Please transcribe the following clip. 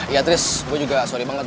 iya tris gue juga sorry banget ya